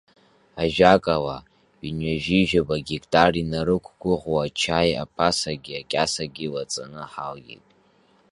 Ажәакала, ҩынҩажәижәаба гектар инарықәгәыӷуа ачаи аԥасагьы акьасагьы лаҵаны ҳаалгеит.